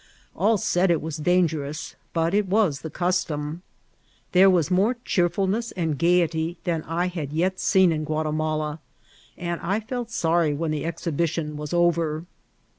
All said it was dangerous, but it was the custom. There was more cheerfulness and gayety than I had yet seen in Guatimala, and I felt sorry when the exhibition was over.